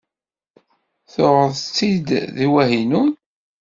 Tuɣeḍ-tt-id deg Wahinun?